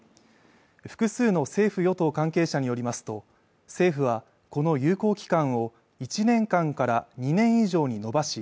複数の政府与党関係者によりますと政府はこの有効期間を１年間から２年以上に延ばし